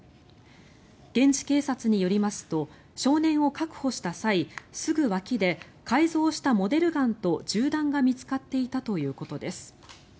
現地警察によりますと少年を確保した際すぐ脇で改造したモデルガンと銃弾が見つかっていたということです。